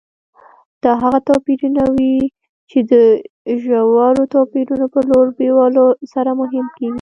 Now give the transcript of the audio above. دا هغه توپیرونه وي چې د ژورو توپیرونو په لور بیولو سره مهم کېږي.